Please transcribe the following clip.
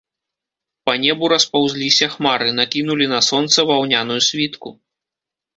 Па небу распаўзліся хмары, накінулі на сонца ваўняную світку.